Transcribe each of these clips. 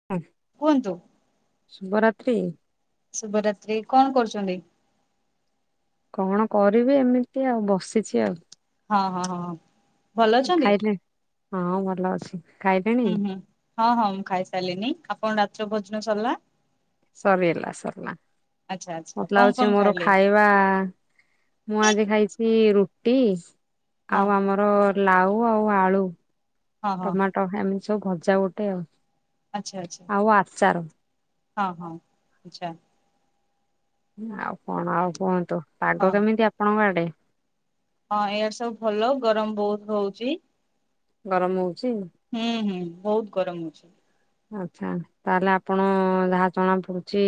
[unintelligible] କୁହନ୍ତୁ। ଶୁଭରାତ୍ରି। ଶୁଭରାତ୍ରି କଣ କରୁଚନ୍ତି? କଣ କରିବି ଏମିତି ଆଉ ବସିଚି ଆଉ। ହଁ ହଁ ହଁଁ। ଖାଇଲେ ହଁ ଭଲ ଅଛି। ଖାଇଲେଣି? ହୁଁ ହୁଁ ହଁ ହଁ ମୁଁ ଖାଇସାରିଲିନି ଆପଣ ରାତିର ଭୋଜନ ସରିଲା? ସରିଗଲା ସରିଲା ଆଚ୍ଛା ଆଚ୍ଛା ମତ କଣ ଲାଗୁଛି କଣ ମୋର ଖାଇଲେ? ଖାଇବା ମୁଁ ଆଜି ଖାଇଚି ରୁଟି ହଁ ଆଉ ଆମର ଲାଉ ଆଉ ଆଳୁ ହଁ ହଁ ଟମାଟ ଏମିତି ସବୁ ଭଜା ଗୋଟେ ଆଉ। ଆଚଛ ଆଛା। ଆଉ ଆଚାର ଅ ହଁ ଆଚଛା। ଆଉ କଣ ଆଉ କୁହନ୍ତୁ ପାଗ ହଁ କେମିତି ଆପଣଙ୍କ ଆଡେ? ହଁ ଈଆଡେ ସବୁ ଭଲ ଗରମ ବହୁତ ହଉଚି। ଗରମ ହଉଚି? ହୁଁ ହୁଁ ବହୁତ ଗରମ ହଉଚି। ଆଛା ତାହେଲେ ଆପଣ ଯାହା ଜଣା ପଡୁଚି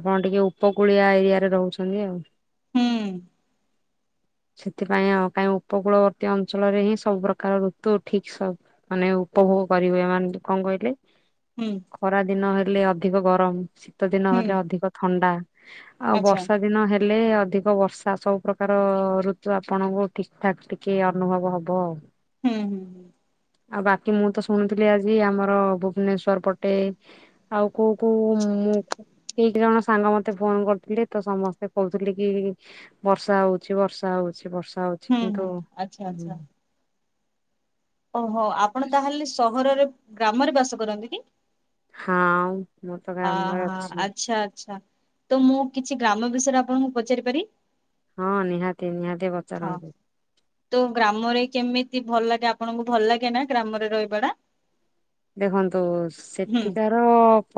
ଆପଣ ଟିକେ ଉପକୂଳିଆ ଏରିଆରେ ରହୁଚନ୍ତି ଆଉ। ହୁଁ। ସେଥିପାଇଁ ଆଉ କାଇଁ ଉପକୂଳବର୍ତ୍ତୀ ଅଞ୍ଚଳରେ ହିଁ ସବୁ ପ୍ର୍ରକାର ଋତୁ ଠିକ୍ ସବୁ ମାନେ ଉପଭୋଗ କରିବେ ଏମାନେ କଣ କହିଲେ ହୁଁ ଖରା ଦିନ ହେଲେ ଅଧିକ ଗରମ ଶୀତ ଦିନ ହୁଁ ହେଲେ ଅଧିକ ଥଣ୍ଡା ଆଉ ଆଚ୍ଛା ବର୍ଷା ଦିନ ହେଲେ ଅଧିକ ବ ବର୍ଷା ସବୁ ପ୍ରକାର ଋତୁ ଆପଣଙ୍କୁ ଠିକ ଠାକ ଟିକେ ଅନୁଭବ ହବ ଆଉ ହୁଁ ଆଉ ବାକି ମୁଁ ତ ଶୁଣୁଥିଲି ଆଜି ଆମର ଭୁବନେଶ୍ଵର ପଟେ ଆଉ କୋଉ କୋଉ ଉଁ - କେଇ ଜଣ ସାଙ୍ଗ ମୋତେ ଫୋନ କରୁଥିଲେ ତ ସମସ୍ତେ କହୁଥିଲେ କି ବର୍ଷା ହଉଛି ବର୍ଷା ବର୍ଷା ହଉଛି ବର୍ଷା ହଉଛି ହୁଁ ହୁଁ କିନ୍ତୁ ଆଚ୍ଛା ହୁଁ ଆଚ୍ଛା। ଓହୋ ଆପଣ ତାହେଲେ ସହରରେ ଗ୍ରାମରେ ବାସ କରନ୍ତି କି? ହାଁ ଅହ ଆଚ୍ଛା ଆଚ୍ଛା ତ ମୁଁ କିଛି ଗ୍ରାମ ବିଷୟରେ ଆପଣଙ୍କୁ ପଚାରି ପାରି- ହଁ ନିହାତି ନିହାତି ହଁ ପଚାରନ୍ତୁ ତ ଗ୍ରାମରେ କେମିତି ଭଲ ଲାଗେ ଆପଣଙ୍କୁ ଭଲ ଲାଗେ ନା ଗ୍ରାମରେ ରହିବା ଟା ଦେଖନ୍ତୁ ହୁଁ ସେଠିକାର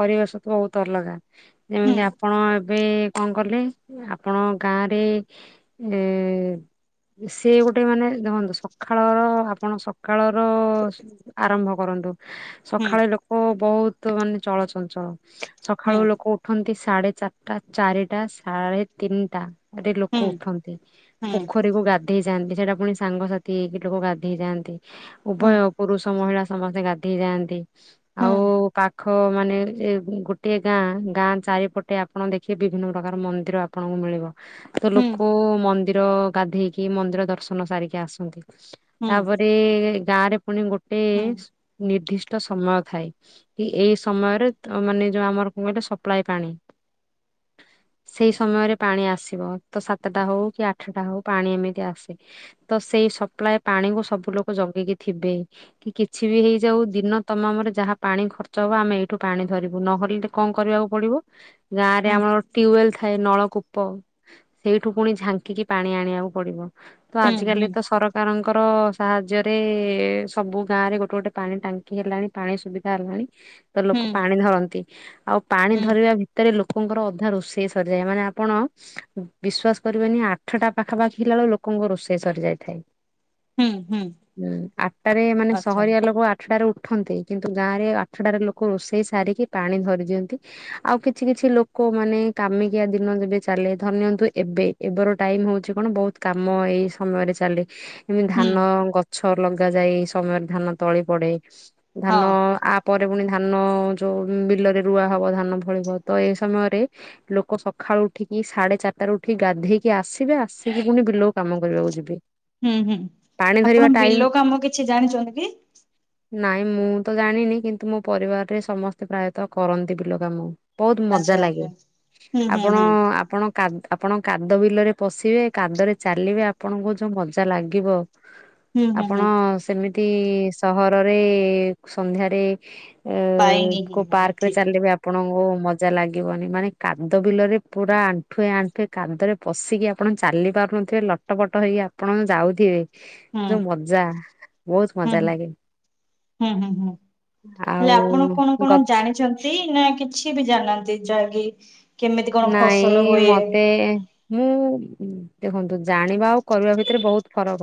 ପରିବେଶ ତ ବହୁତ ଅଲଗା ହୁଁ ଯେମିତି ହଁ ଏବେ କଣ କଲେ ଆପଣ ଗାଁରେ ଏ ସେ ଗୋଟେ ମାନେ ଦେଖନ୍ତୁ ସକାଳର ଆପଣ ସ ସକାଳର ଆରମ୍ଭ କରନ୍ତୁ ହୁଁ ସକାଳେ ଲୋକ ବହୁତ ମାନେ ଚଳଚଞ୍ଚଳ ହୁଁ ସକାଳୁ ଲୋକ ଉଠନ୍ତି ସାଢ଼େ ଚାରିଟା ଚାରିଟା ସାଢ଼େ ତିନିଟା ରେ ଲୋକ ହୁଁ ଉଠନ୍ତି ହୁଁ ପୋଖରୀକୁ ଗାଧୋ - ଯାଆନ୍ତି ସେଟା ପୁଣି ସାଙ୍ଗସାଥି ହେଇକି ଲୋକ ଗାଧୋଇ ହେଇଯାଆନ୍ତି ହୁଁ ଉଭୟ ପୁରୁଷ ମହିଳା ସମସ୍ତେ ଗାଧେ ହେଇ ଯାଆନ୍ତି ହୁଁ ଆଉ ପା- ପାଖ ମାନେ ଗୋଟେ ଗାଁ ଗାଁ ଚାରିପଟେ ଆପଣ ଦେଖିବେ ବିଭିନ୍ନ ପ୍ରକାର ମନ୍ଦିର ଆପଣଙ୍କୁ ମିଳିବ ତ ହୁଁ ଲୋକ ମନ୍ଦିର ଗାଧେଇକି ମନ୍ଦିର ଦର୍ଶନ ସାରିକି ଆସନ୍ତି ହୁଁ ତାପରେ ଗାଁ ରେ ପୁଣି ଗୋଟେ ହୁଁ ନିର୍ଦ୍ଦିଷ୍ଟ ସମୟ ଥାଏ କି ଏଇ ସମୟରେ ମାନେ ଯୋଉ ଆମର କଣ କହିଲେ ସପ୍ଲାାଇ ପାଣି [inaudible] ସେଇ ସମୟରେ ପାଣି ଆସିବ ତ ସାତଟା ହଉ କି ଆଠଟା ହଉ ପାଣି ଏମିତି ଆସେ ତ ସେଇ ସପ୍ଲାଏ ପାଣିକୁ ସବୁ ଲୋକ ଜଗେଇକି ଥିବେ କି କିଛି ବି ହେଇ ଯଉ ଦିନ ତମାମରେ ଯାହା ପାଣି ଖର୍ଚ୍ଚ ହବ ଆମେ ଏଇଠୁ ପାଣି ଧରିବୁ ନହଲେ କଣ କରିବାକୁ ପଡିବ ଗାଁରେ ହୁଁ ଆମର ଟ୍ୟୁବୱେଲ ଥାଏ ନଳକୂପ ସେଇଠୁ ପୁଣି ଝାଙ୍କିକି ପାଣି ଆଣିବାକୁ ପଡିବ ତ ହୁଁ ଆଜିକାଲି ହୁଁ ତ ସରକାର କାରଙ୍କର ସାହାଯ୍ୟରେ ସବୁ ଗାଁ ରେ ଗୋଟେ ଗୋଟେ ପାଣି ଟାଙ୍କି ହେଲାଣି ପାଣି ସୁବିଧା ହେଲାଣି ତ ହୁଁ ଲୋକ ପାଣି ଧରନ୍ତି ଆଉ ପାଣି ହୁଁ ଧରିବା ଭିତ- ରେ ଲୋକଙ୍କର ଅଧା ରୋଷେଇ ସରିଯାଏ ମାନେ ଆପଣ ବିଶ୍ବାସ କରିବେନି ଆଠଟା ପାଖାପାଖି ହେଲା ବେଳକୁ ଲୋକଙ୍କ ରୋଷେଇ ସରି ଯାଇଥାଏ ହୁଁ ହୁଁ ହୁଁ ଆଠଟାରେ ମାନେ ଆଚ୍ଛା ସହରିଆ ଲୋକ ଲୋକ ଆଠଟାରେ ଉଠନ୍ତି କିନ୍ତୁ ଗାଁରେ ଆଠଟାରେ ଲୋକ ରୋଷେଇ ସାରିକି ପାଣି ଧରି ଦିଅନ୍ତି ଆଉ କିଛି କିଛି ଲୋକ ମାନେ କାମିକିଆ ଦିନ ଯେବେ ଚାଲେ ଧନ୍ୟ ନିଅନ୍ତୁ ଏବେ ଏବେର ଟାଇମ ହଉଛି କଣ ବହୁତ କାମ ଏଇ ସମୟରେ ଚାଲେ ଏମିତି ହୁଁ ଧାନ ଗଛ ଲଗାଯାଏ ସମୟରେ ଧାନ ତଳି ପଡେ ଧାନ ହଁ ଆ ପରେ ପୁଣି ଧାନ ଯେଉ ବିଲରେ ରୁଆ ହେବ ଧାନ ଫଳିବ ତ ଏ ସମୟରେ ଲୋକ ସକାଳୁ ଉଠିକି ସାଢେ ଚାରିଟାରେ ଉଠିକି ଗାଧେଇକି ଆସିବେ ଆସିକି ପୁଣି ବିଲକୁ କାମ କରିବାକୁ ଯିବେ ହୁଁ ହୁଁ ପାଣି ଧରିବା ଆପଣ ଟାଇମ ବିଲ କାମ କିଛି ଜାଣିଛନ୍ତି କି? ନାଇଁ ମୁଁ ତ ଜାଣିନି କିନ୍ତୁ ମୋ ପରିବାରରେ ସମସ୍ତେ ପ୍ରାୟତଃ କରନ୍ତି ବିଲ କାମ ବହୁତ ଆଚ୍ଛା ମଜା ଲାଗେ ଆଚ୍ଛା ହୁଁ ହୁଁ ଆପଣ ହୁଁ ଆପଣ କା ଆପଣ କାଦ ବିଲରେ ପଶିବେ କାଦରେ ଚାଲିବେ ଆପଣଙ୍କୁ ଯେଉଁ ମଜା ଲାଗିବ ହୁଁ ହୁଁ ଆପଣ ହୁଁ ସେମିତି ସହରରେ ସନ୍ଧ୍ୟାରେ ଏ ଉ ପାଇନି ହିଁ କୋଉ ମୁଁ ପାର୍କରେ ଏଠି ଚାଲିବେ ଆପ୍ ଆପଣଙ୍କୁ ମଜା ଲାଗିବନି। ମାନେ କାଦ ବିଲରେ ପୁରା ଆଣ୍ଠୁଏ ଆଣ୍ଠୁଏ କାଦରେ ପଶିକି ଆପଣ ଚାଲି ପାରୁନଥିବେ, ଲଟପଟ ହେଇକି ଆପଣ ଯାଉଥିବେ, ହୁଁ ଯୋଉ ମଜା ବହୁତ ହୁଁ, ମଜା ହୁଁ, ଲାଗେ ହୁଁ, ହୁଁ, ହୁଁ। ହେଲେ ଆଉ ଆପଣ କଣ କଣ ଗଛ ଜାଣିଚ ଚନ୍ତି, ନା କିଛି ବି ଜାଣିନାହାଁନ୍ତି, ଯାହାକି କେମିତି କଣ ନାଇଁ ଫସଲ ଇ ହୁଏ ମତେ ମୁଁ, ଦେଖନ୍ତୁ ଜାଣିବା ଆଉ କରିବା ଭିତରେ ବହୁତ ଫରକ।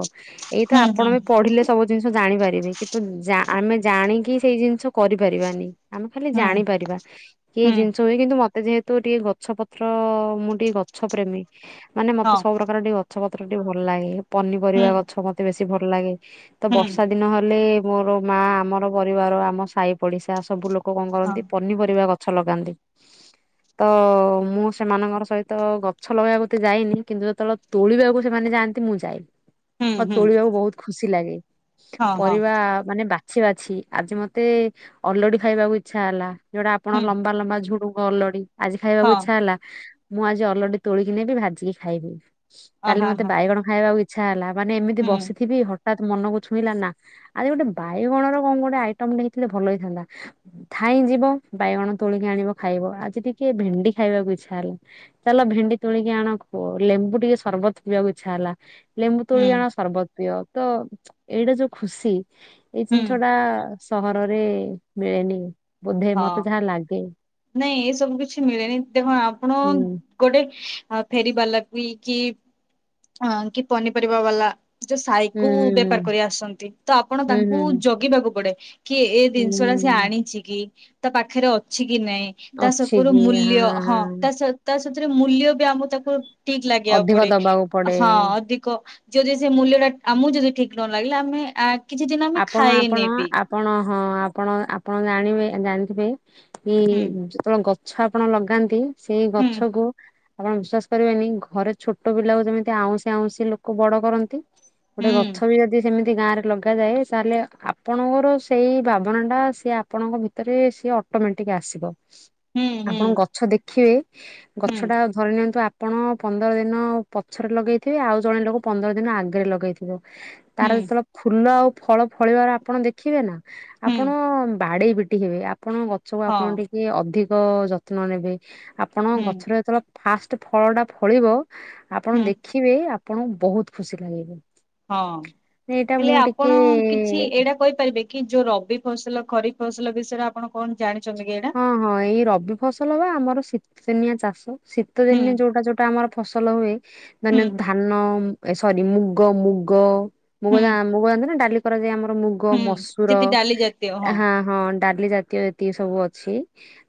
ଏଇ ତ ହୁଁ ଆପଣ ହୁଁ ବି ପଢିଲେ ସବୁ ଜିନିଷ ଜାଣିପାରିବେ, କିନ୍ତୁ ଜା ଆମେ ଜାଣିକି ସେଇ ଜିନିଷ କରିପାରିବାନି। ଆମେ ଖାଲି ହୁଁ ଜାଣିପାରିବା, କି ଏଇ ହୁଁ ଜିନିଷ ହୁଏ କିନ୍ତୁ ମତେ ଯେହେତୁ ଟିକେ ଗ ଗଛ ପତ୍ର, ମୁଁ ଟିକେ ଗଛ ପ୍ରେମୀ। ମାନେ ମତେ ହଁ ସବୁ ପ୍ରକାର ଟିକେ ଗଛ ପତ୍ର ଟିକେ ଭଲ ଲାଗେ। ହୁଁ ପନିପରିବା ଗଛ ମତେ ବେଶୀ ଭଲ ଲାଗେ, ତ ହୁଁ ବର୍ଷା ଦିନ ହେଲେ ମୋର ମା, ଆମର ପରିବାର, ଆମ ସାହି ପଡିଶା, ସବୁ ଲୋକ କଣ ହଁ କରନ୍ତି ପନିପରିବା ଗ ଗଛ ଲଗାନ୍ତି। ତ ମୁଁ ସେମାନଙ୍କର ସହିତ ଗଛ ଲଗେଇବାକୁ ଏତେ ଯାଇନି, କିନ୍ତୁ ଯେତେବେଳେ ତୋଳିବାକୁ ସେମାନେ ଯାଆନ୍ତି ମୁଁ ଯାଇବି। ହୁଁ ମତେ ହୁଁ ତୋଳିବାକୁ ବହୁତ ଖୁସି ଲାଗେ। ହଁ ହଁ ପରିବା ମାନେ ବାକ ବାଛି ବାଛି, ଆଜି ମତେ ଅଲଡି ଖାଇବାକୁ ଇଚ୍ଛା ହେଲା ଯୋଉଟା ଆପଣଙ୍କ ହୁଁ ଲମ୍ବା ଲମ୍ବା ଝୁଡୁଙ୍ଗ ଅଲଡି, ଆଜି ଖାଇ ହଁ ଇଚ୍ଛା ହେଲା, ମୁଁ ଆଜି ଅଲଡି ତୋଳିକି ନେବି ଭାଜିକି ଖାଇବି। ଅ କାଲି ହ ମତେ ହ ବାଇଗଣ ଖାଇବାକୁ ଇ ଇଚ୍ଛା ହେଲା, ମାନେ ଏମିତି ହୁଁ ବସିଥିବି ହଠ ଠାତ୍ ମନକୁ ଛୁଇଁଲା ନା, ଆଜି ଗୋଟେ ବାଇଗଣର କଣ ଗୋଟେ ଆଇଟମଟେ ହେଇଥିଲେ ଭଲ ହେଇଥାନ୍ତା। ଧାଇଁ ଯିବ, ବାଇଗଣ ତୋଳିକି ଆଣିବ ଖାଇବ, ଆଜି ଟିକେ ଭେଣ୍ଡି ଖାଇବାକୁ ଇଚ୍ଛା ହେଲା, ଚାଲ ଭେଣ୍ଡି ତୋଳିକି ଆଣ, ଲେମ୍ବୁ ଟିକେ ସର୍ବତ ପିଇବାକୁ ଇଚ୍ଛା ହେଲା ଲେମ୍ବୁ ହୁଁ ତୋଳି ଆଣ ସର୍ବତ ପିଅ, ତ ଏଇଟା ଯୋଉ ଖୁସି ଏଇ ହୁଁ ଜିନିଷଟା ସହରରେ ମିଳେନି, ବୋଧେ ମତେ ହଁ ଯାହା ଲାଗେ। ନାଇଁ ଏସବୁ କିଛି ମିଳେନି। ଦେଖ ଆପଣ ହୁଁ ଗୋଟେ ଆ ଫେରି ବାଲା ବି କି ହଁ, କି ପନିପରିବା ବାଲା ସେ ସାଇକୁ ହୁଁ ହୁଁ ବେପାର କରି ଆସନ୍ତି, ତ ଆପଣ ହୁଁ ତାଙ୍କୁ ହୁଁ ଜଗିବାକୁ ପଡେ଼। କିଏ ଏ ହୁଁ ଦିନିଷଟା ସିଏ ହୁଁ। ଆଣିଚି କି, ତା ପାଖରେ ଅଛି କି ନାଇଁ ତା ସପୁରୁ ମୂଲ୍ୟ ହଁ, ତା ସ ତା ସେଥିରେ ମୂଲ୍ୟ ବି ଆମକୁ ତାକୁ ଠିକ ଲାଗିବାକୁ ଅଧିକ ପଡେ। ଦବାକୁ ପଡେ। ହଁ, ଅଧିକ ଯଦି ସେ ମୂଲ୍ୟଟା ଆମକୁ ଯଦି ଠିକ ନ ଲାଗିଲା, ଆମେ ଆ କିଛି ଦିନ ଆମେ ଆପଣ ଆପଣ ଖାଏନି ବି। ଆପଣ, ହଁ ଆପଣ ଆପଣ ଜାଣିବେ ଜାଣିଥିବେ, କି ହୁଁ ଯେତେବେଳେ ଗପ୍ ଗଛ ଆପଣ ଲଗାନ୍ତି, ସେଇ ହୁଁ ଗଛକୁ ଆପଣ ବିଶ୍ଵାସ କରିବେନି, ଘରେ ଛୋଟ ପିଲାକୁ ଯେମିତି ଆଉଁସି ଆଉଁସି ଲୋକ ବଡ଼ କରନ୍ତି ଗୋଟେ ଗଛ ହୁଁ ବି ଯଦି ସେମିତି ଗାଁରେ ଲଗାଯାଏ ତାହେଲେ ଆପଣଙ୍କର ସେଇ ଭାବନାଟା ସିଏ ଆପଣଙ୍କ ଭିତରେ ସିଏ ଅଟୋମେଟିକ୍ ଆସିବ। ହୁଁ ହୁଁ ଆପଣଙ୍କୁ ଗଛ ଦେଖିବେ, ହୁଁ ଗଛଟା ଧରି ନିଅନ୍ତୁ ଆପଣ ପନ୍ଦର ଦିନ ପଛରେ ଲଗେଇଥିବେ, ଆଉ ଜଣେ ଲୋକ ପନ୍ଦର ଦିନ ଆଗରେ ଲଗେଇଥିବ ହୁଁ ତାର ଯେତେବେଳେ ଫୁଲ ଆଉ ଫଳ ଫଳିବାର ଆପଣ ଦେଖିବେ ନା, ହୁଁ ଆପଣ ବାଡ଼େଇ ପିଟି ହେବେ, ଆପଣ ଗଛକୁ ଆପଣ ହଁ ଟିକିଏ ଅଧିକ ଯତ୍ ତ୍ନ ନେବେ, ହୁଁ ଆପଣଙ୍କ ଗଛରେ ଯେତେବେଳେ ଫାଷ୍ଟ ଫଳଟା ଫଳିବ, ଆପଣ ହୁଁ ଦେଖି ଦେଖିବେ, ଆପଣଙ୍କୁ ବହୁତ ଖୁସି ଲାଗିବେ। ହଁ, ହେଲେ ଆପଣ କିଛି ଏଇଟା କହିପାରିବେ କି, ଯୋଉ ରବି ଫସଲ, ଖରିଫ ଫସଲ ବିଷୟରେ ଆପ୍ ଆପଣ କଣ ଜାଣିଚନ୍ତ ହଁ ହଁ, ଏଇ ରବି ଫସଲ ବା ଆମର ଶୀତ ଦିନିଆ ଚାଷ, ଶୀତ ହୁଁ ଦିନିଆ ଯୋଉଟା ଯୋଉଟା ଆମର ଫସଲ ହୁଏ ହୁଁ ମାନେ ଧାନମ୍ ଏ ସରୀ ସରି ମୁଗ ମୁଗ। ମୁଗ ହୁଁ ଦା ମୁଗ ଦାନ୍ତ ନା ଡା଼ଲି କରନ୍ତିଇ, ଆମର ମୁଗ ହୁଁ ମସୁର ଯେତି ଡାଲି ଜାତୀୟ ହା ହଁ, ଡା଼ଲି ଜାତୀୟ ଯେତିକି ସବୁ ଅଛି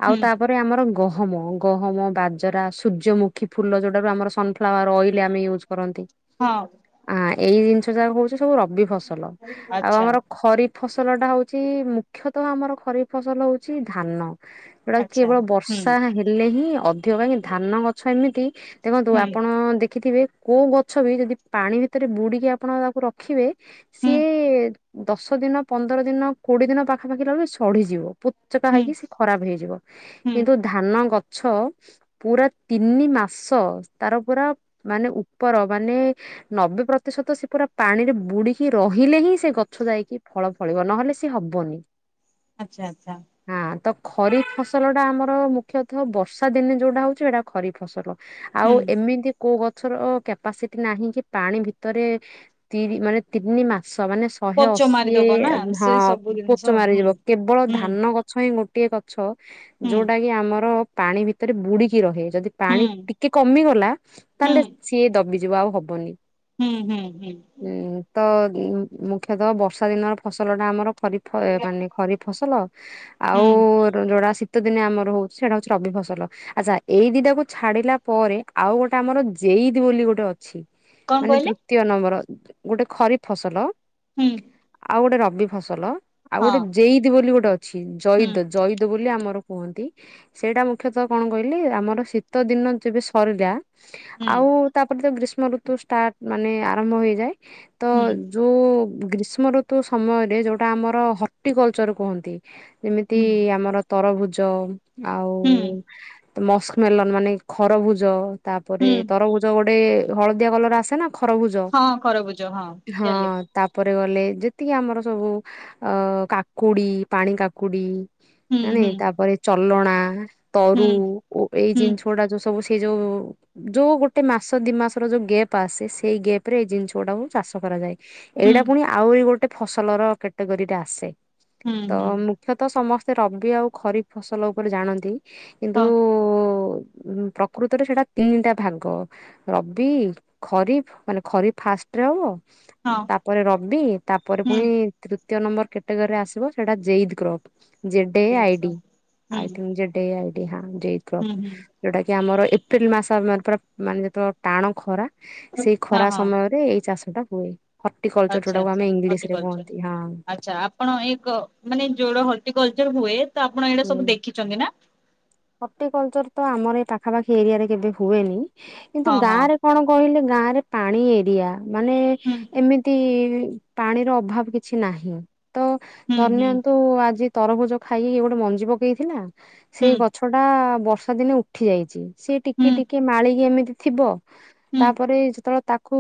ଆଉ ହୁଁ ତାପରେ ଆମର ଗହମ ଗହମ, ବାଜରା, ସୂର୍ଯ୍ୟମୁଖୀ ଫୁଲ ଯେଉଟାରୁ ଆମର ସନ୍ ଫ୍ଲାୱାର ଅଏଲ ଆମେ ୟୁଜ୍ କରନ୍ତି। ହଁ। ଆ ଏଇ ଜିନିଷ ଯାକ ହଉଛି ସବୁ ରବି ଫସଲ, ଆଉ ଆଚ୍ଛା ଆମର ଖରିଫ ଫସଲ ଟା ହଉଛି, ମୁଖ୍ୟତଃ ଆମର ଖରିଫ ଫସଲ ହଉଛି ଧାନ। ଏଉଟା ଆଚ୍ଛା କେବଳ ହୁଁ ବର୍ଷା ହେଲେ ହିଁ ଅଧିକ, କାହିଁକି ଧାନ ଗଛ ଏମିତି ଦେଖନ୍ତୁ ହୁଁ ଆପଣ ଦେଖିଥିବେ, କୋଉ ଗଛ ବି ଯଦି ପାଣି ଭିତରେ ବୁଡ଼ିକି ଆପଣ ତାକୁ ରଖିବେ ହୁଁ ସିଏ ଦଶ ଦିନ ପନ୍ଦର ଦିନ କୋଡିଏ ଦିନ ପାଖାପାଖି ରହିଲ ସଢି଼ଯିବ। ଚେପା ହୁଁ ହେଇକି ସେ ଖରାପ ହେଇଯିବ, ହୁଁ କିନ୍ତୁ ଧାନ ଗଛ ପୁରା ତିନି ମାସ ତାର ପୁରା ମାନେ ଉପର ମାନେ ନବେ ପ୍ରତିଶତ ସେ ପୁରା ପାଣିରେ ବୁଡିକି ରହିଲେ ହିଁ ସେ ଗଛ ଯାଇକି ଫଳ ଫଳିବ ନହେଲେ ସିଏ ହବନି। ଆଚ୍ଛା ଆଚ୍ଛା। ହଁ ତ ଖରିପ ଫସଲଟା ଆମର ମୁଖ୍ୟତଃ ବର୍ଷା ଦିନେ ଯୋଉଟା ହଉଛି ହେଇଟା ଖରିପ ଫସଲ। ହୁଁ ଆଉ ଏମିତି କୋଉ ଗଛର କ୍ୟାପାସିଟି ନାହିଁ କି ପାଣି ଭିତରେ ତି ମାନେ ତିନି ମାସ ମାନେ ଶହେ ପଚ ଅଶୀ ମାରିଦବ ନା ହ ସେଇ ସବୁ ଜିନିଷ ପୋଚ ହୁଁ। ମାରିଯିବ କେବଳ ହୁଁ ଧାନ ଗଛ ହିଁ ଗୋଟିଏ ଗଛ ହୁଁ ଯୋଉଟା କି ଆମର ପାଣି ଭିତରେ ବୁଡିକି ରହେ। ଯଦି ହୁଁ ପାଣି ଟିକେ କମିଗଲା ହୁଁ ତାହେଲେ ସିଏ ଦବିଯିବ ଆଉ ହବନି। ହୁଁ ହୁଁ ହୁଁ। ହଁ ତ ମୁଖ୍ୟତଃ ବର୍ଷା ଦିନର ଫସଲ ଟା ଆମର ଫରି ମାନେ ଖରିଫ ଫସଲ ଆଉ ହୁଁ ଯୋଡା ଶୀତ ଦିନେ ଆମର ହଉଛି ସେଇଟା ହଉଛି ରବିଫସଲ। ଆଚ୍ଛା ଏଇ ଦିଟା କୁ ଛାଡିଲା ପରେ ଆଉ ଗୋଟେ ଆମର ଜେଇଦ ବୋଲି ଗୋଟେ ଅଛି। କଣ ମାନେ କହିଲେ? ତୃତୀୟ ନମ୍ବର ଗୋଟେ ଖରିଫ ଫସଲ ହୁଁ। ଆଉ ଗୋଟେ ରବି ଫସଲ ଆଉ ହଁ ଗୋଟେ ଜେଇଦ ବୋଲି ଗୋଟେ ଅଛି ହୁଁ ଜଇଦ ଜୈଦ ବୋଲି ଆମର କୁହନ୍ତି। ସେଇଟା ମୁଖ୍ୟତଃ କଣ କହିଲି? ଆମର ଶୀତଦିନ ଯେବେ ସରିଲା। ହୁଁ ଆଉ ତାପରେ ଯ ଗ୍ରୀଷ୍ମ ଋତୁ ଷ୍ଟାର୍ଟ ମାନେ ଆରମ୍ଭ ହେଇଯାଏ ତ ହୁଁ ଯୋଉ ଗ୍ରୀଷ୍ମ ଋତୁ ସମୟରେ ଯୋଉଟା ଆମର ହର୍ଟିକଲଚର କୁହନ୍ତି। ଯେମିତି ହୁଁ ଆମର ତରଭୁଜ ଆଉ ହୁଁ ମସ୍କମେଲନ ମାନେ ଖରଭୁଜ ତାପରେ ହୁଁ ତରଭୁଜ ଗୋଟେ ହଳଦିଆ କଲର ଆସେ ନା ଖରଭୁଜ ହଁ ଖରବୁଜ ହଁ ଜାଣିଲି। ତା ପରେ ଗଲେ ଯେତିକି ଆମର ସବୁ ଅ କାକୁଡି ପାଣି କାକୁଡି ହୁଁ ମାନେ ହୁଁ ତାପରେ ଚଲଣା ହୁଁ ତରୁଓ ଏଇ ହୁଁ ଜିନିଷ ଗୁଡା ଯୋଉ ସବୁ ଶିଖି ସେ ଯେଉଁ ଯୋଉ ଗୋଟେ ମାସ ଦି ମାସର ଯୋଉ ଗେପ୍ ଆସେ ସେଇ ଗେପ ରେ ଏଇ ଜିନିଷ ଗୁଡାକୁ ଚାଷ କରାଯାଏ। ହୁଁ ଏଇଟା ପୁଣି ଆହୁରି ଗୋଟେ ଫସଲର କ୍ୟାଟେଗୋରୀ ରେ ଆସେ। ହୁଁ ତ ହୁଁ ମୁଖ୍ୟତଃ ସମସ୍ତେ ରବି ଆଉ ଖରିଫ୍ ଫସଲ ଉପରେ ଜାଣନ୍ତି। କିନ୍ତୁ ହଁ ପ୍ରକୃତରେ ସେଟା ତିନିଟା ଭାଗ। ରବି ଖରିଫ ମାନେ ଖରିଫ୍ ଫାଷ୍ଟରେ ହବ ହଁ ତାପରେ ରବି ତାପରେ ହୁଁ ପୁଣି ତୃତୀୟ ନମ୍ବର କ୍ୟାଟୋଗୋରୀ ରେ ଆସିବ ସେଟା ଜେଇଦ କ୍ରୋପ ଜେଡେ ହୁଁ ଆଇଡି ହୁଁ ଆଇଥିଙ୍କ ଯେଡେ ଆଇଡି ହଁ ଯେଦ। କ ହୁଁ ଯୋଉଟା କି ଆମର ଏପ୍ରିଲ ମାସ ମା ପୁରା ମାନେ ତ ଟାଣ ଖରା ସେଇ ହଁ ଖରା ହଁ ସମୟରେ ଏଇ ଚାଷ ଟା ହୁଏ। ହର୍ଟିକଲଚର ଆଚ୍ଛା ଯୋଟାକୁ ଆଚ୍ଛା ଆମେ ଇଂଲିଶ ରେ ହର୍ଟିକଲଚର କୁହନ୍ତି ହଁ। ଆଚ୍ଛା ଆପଣ ଏକ ମାନେ ଯୋଉଟା ହର୍ଟିକଲଚର ହୁଏ ତ ଆପଣ ଏଇଟା ହୁଁ ସବୁ ଦେଖିଛନ୍ତି ନା। ହର୍ଟିକଲଚର ତ ଆମର ଏଇ ପାଖାପାଖି ଏରିଆରେ କେବେ ହୁଏନି କିନ୍ତୁ ହଁ ହଁ ଗାଁରେ କଣ କହିଲେ ଗାଁରେ ପାଣି ଏରିଆ ମାନେ ହୁଁ ଏମିତି ପାଣିର ଅଭାବ କିଛି ନାହିଁ ତ ହୁଁ ଧର୍ ହୁଁ ନିିଅନ୍ତୁ ଆଜି ତରଭୁଜ ଖାଇକି ଗୋଟେ ମଞ୍ଜି ପକେଇଥିଲା, ହୁଁ ସେଇ ଗଛ ଟା ବର୍ଷା ଦିନେ ଉଠି ଯାଇଛି। ସି ଟିକେ ହୁଁ ଟିକେ ମାଳିକି ଏମିତି ଥିବ। ହୁଁ ତାପରେ ଯେତେବେଳେ ତା କୁ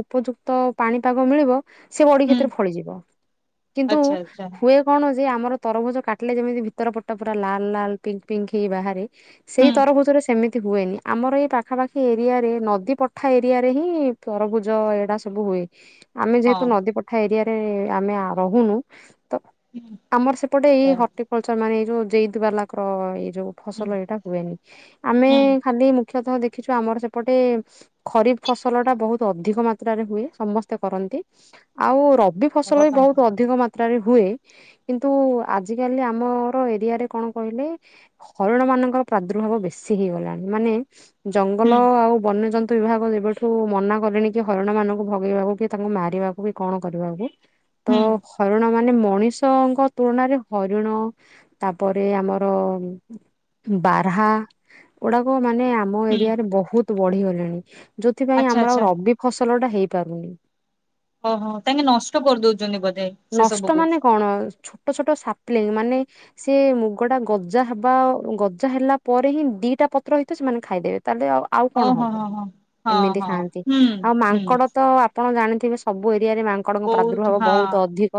ଉପଯୁକ୍ତ ପାଣିପାଗ ମିଳିବ ସେ ବଡି ହୁଁ କ୍ଷେତରେ ଫଳିଯିବ। କିନ୍ତୁ ଆଚ୍ଛା ଆଚ୍ଛା ହୁଏ କଣ ଯେ ଆମର ତରଭୋଜ କାଟିଲେ ଯେମିତି ଭିତର ପଟା ପୁରା ଲାଲ ଲାଲ ପିଙ୍କ ପିଙ୍କ୍ ହେଇ ବାହାରେ ହୁଁ ସେଇ ତରଭୁଜ ରେ ସେମି ତି ହୁଏନି ଆମର ଏଇ ପାଖାପାଖି ଏରିଆରେ ନଦୀ ପଠା ଏରିଆରେ ହିଁ ତରଭୁଜ ଏଇଡ଼ା ସବୁ ହୁଏ। ଆମେ ହଁ ଯେହେତୁ ନଦୀ ପଠା ଏରିଆରେ ଆମେ ଆ ରହୁନୁ ତ ହୁଁ ଆମର ସେପଟେ ଏଇ ହଁ, ହର୍ଟିକଲଚର ମାନେ ଏଇ ଯୋଉ ଜେଇଦ ବାଲାକ୍ର ଏଇ ଯୋଉ ହୁଁ ଫସଲ ଏଇଟା ହୁଏନି ଆମେ ହୁଁ ଖାଲି ମୁଖ୍ୟତଃ ଦେଖିଛୁ ଆମର ସେପଟେ ଖରିଫ ଫସଲ ଟା ବହୁତ ଅଧିକ ମାତ୍ରାରେ ହୁଏ ସମସ୍ତେ କରନ୍ତି ଆଉ ରବି ଫସଲ ହବା ବି ପାଣି ବହୁତ ଅଧିକ ମା ତ୍ରାରେ ହୁଏ, କିନ୍ତୁ ଆଜି କାଲି ଆମର ଏରିଆରେ କଣ କହିଲେ ହରିଣ ମାନଙ୍କର ପ୍ରାଦୁର୍ଭାବ ବେଶୀ ହେଇଗଲାଣି, ମାନେ ହୁଁ ଜଙ୍ଗଲ ଆଉ ବନ୍ୟଜ ନ୍ତୁ ବିଭାଗ ଏବେଠୁ ମନା କଲେଣି କି, ହରିଣ ମାନଙ୍କୁ ଭଗେଇବାକୁ କି ତାଙ୍କୁ ମାରିବାକୁ କି କଣ କରିବାକୁ? ତ ହୁଁ ହରିଣ ମାନେ ମଣିଷଙ୍କ ତୁଳନାରେ ହରିଣ ତାପରେ ଆମର ବାରହା ଗୁଡାକ ମାନେ ଆମ ହୁଁ ଏରିଆରେ ବହୁତ ବଢିଗଲେଣି। ଯୋଉଥିପାଇଁ ଆଚ୍ଛା ଆମର ଆଚ୍ଛା ରବି ଫସଲ ଟା ହେଇପାରୁନି। ଓହୋ ତାଙ୍କେ ନଷ୍ଟ କରିଦଉଛନ୍ତି ବୋଧେ ସେ ନଷ୍ଟ ସବୁକୁ ମାନେ କଣ ଛୋଟ ଛୋଟ ସା ପ୍ଲେଇଙ୍ଗ ମାନେ ସେ ମୁଗ ଟା ଗଜା ହବ ବା ଗଜା ହେଲା ପରେ ହିଁ ଦିଟା ପତ୍ର ହେଇଥିବ ସେମାନେ ଖାଇଦେବେ। ତା ଦ୍ୱା ଆଉ ହଁ କଣ ହଁ ହବ ହଁ ହଁ ହଁ ଏମିତି ହଁ ଖାଆନ୍ତି। ହୁଁ ଆଉ ହୁଁ ମାଙ୍କଡ ତ ଆପଣ ଜାଣିଥିବେ ସବୁ ଏରିଆରେ ମାଙ୍କଡଙ୍କ ପ୍ରାଦୁର୍ଭାବ ବହୁତ ଅଧିକ।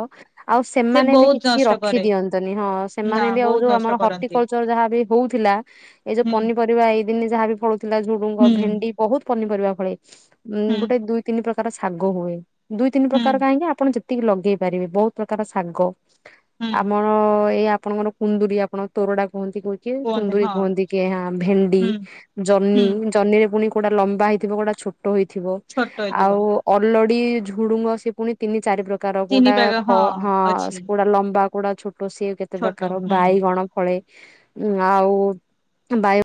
ଆଉ ସେ ସେମାନେ ବି ବହୁତ କିଛି ନଷ୍ଟ କରେ ରଖିଦିଅନ୍ତନି, ହଁ ନା ସେମାନେ ବି ଆଉ ବହୁତ ଯୋଉ ନଷ୍ଟ ଆମର ଟି କରନ୍ତି କୋଚଳ ଯାହା ବି ହଉଥିଲା ଏଇ ଯୋଉ ହୁଁ ପନିପରିବା ଏଇ ଦିନେ ଯାହା ବି ଫଳୁଥିଲା ଝୁଡୁଙ୍ଗ, ହୁଁ ଭେଣ୍ଡି ବହୁତ ପନିପରିବା ଫଳେ ଉ ହୁଁ ଗୋଟେ ଦୁଇ ତିନି ପ୍ରକାର ଶାଗ ହୁଏ। ଦୁଇ ତିନି ହୁଁ ପ୍ରକାର କାହିଁକି, ଆପଣ ଯେତିକି ଲଗେଇ ପାରିବେ ବହୁତ ପ୍ରକାର ଶାଗ। ହୁଁ ଆମ ଅ ଏଇ ଆପଣଙ୍କର କୁନ୍ଦୁୁରୀ ଆପଣ ତୋରଡା କୁହନ୍ତି କି କିଏ କୁନ୍ଦୁରି କୁହନ୍ତି କି ହଁ ଭେଣ୍ଡି ହୁଁ ଜହ୍ନି ହୁଁ ଜହ୍ନିରେ ପୁଣି କୋଉଟା ଲମ୍ବା ହେଇଥିବ କୋଉଟା ଛୋଟ ହେଇଥିବ ଛୋଟ ହେଇଥିବ ଆଉ ଅଲଡି ଝୁଡୁଙ୍ଗ ସେ ପୁଣି ତିନି ଚାରି ପ୍ରକାର, ତିନି କୋଉଟା ପାଗ ଖ ହଁ ଅଛି କୋଉଟା ଲମ୍ବା କୋଉଟା ଛୋଟ ସିଏ କେତେ ଛୋଟ ପ୍ରକାର ହୁଁ ବାଇଗଣ ଫଳେ, ଉଁ ଆଉ ବାଇ